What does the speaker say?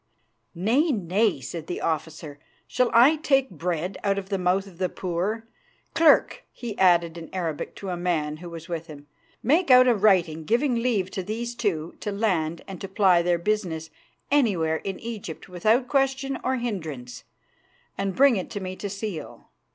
"Nay, nay," said the officer. "Shall I take bread out of the mouth of the poor? Clerk," he added in Arabic to a man who was with him, "make out a writing giving leave to these two to land and to ply their business anywhere in Egypt without question or hindrance, and bring it to me to seal.